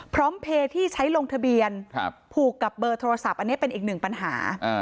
เพย์ที่ใช้ลงทะเบียนผูกกับเบอร์โทรศัพท์อันนี้เป็นอีกหนึ่งปัญหา